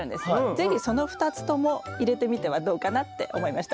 是非その２つとも入れてみてはどうかなって思いました。